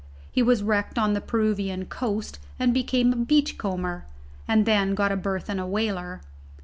He was wrecked on the Peruvian coast and became a beachcomber, and then got a berth in a whaler.